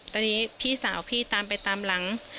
ตอนนี้พี่สาวพี่ตามไปตามหลัง